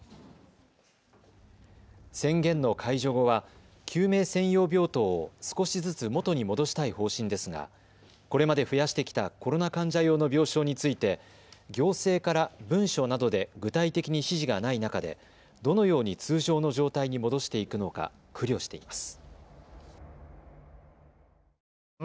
宣言の解除後は救命専用病棟を少しずつ元に戻したい方針ですがこれまで増やしてきたコロナ患者用の病床について行政から文書などで具体的に指示がない中でどのように通常の状態に戻していくのか苦慮しています。